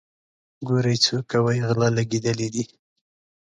ګورئ څو کوئ غله لګېدلي دي.